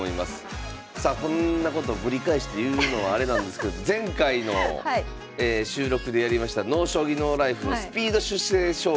さあこんなことぶり返して言うのはあれなんですけど前回の収録でやりました「ＮＯ将棋ＮＯＬＩＦＥ」のスピード出世将棋。